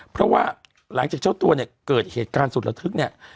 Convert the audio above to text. เพราะว่าหลังจากเจ้าตัวเนี่ยเกิดเหตุการณ์สุดระทึกเนี่ย